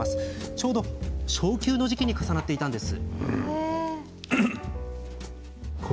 ちょうど昇給の時期に重なっていたんです。